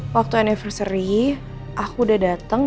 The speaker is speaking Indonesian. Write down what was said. waktu anniversary aku udah datang